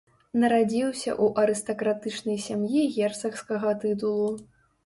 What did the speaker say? Нарадзіўся ў арыстакратычнай сям'і герцагскага тытулу.